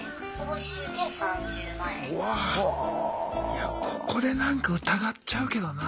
いやここでなんか疑っちゃうけどな。